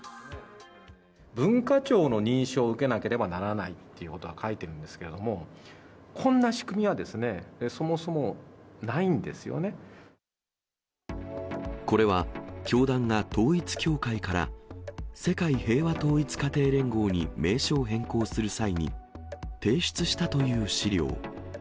文化庁の認証を受けなければならないっていうことが書いてあるんですけども、こんな仕組みはこれは、教団が統一教会から世界平和統一家庭連合に名称を変更する際に、提出したという資料。